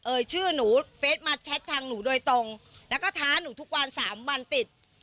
ชื่อหนูเฟสมาแชททางหนูโดยตรงแล้วก็ท้าหนูทุกวันสามวันติด